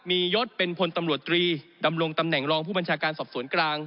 มียศเป็นพลตำรวจตรีดำรงตำแหน่งรองผู้บัญชาการสอบสวนกลาง